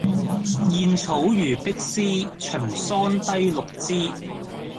燕草如碧絲，秦桑低綠枝